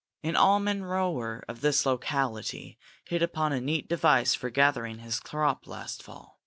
An almond grower of this locality hit upon a neat device for gathering his crop last fall.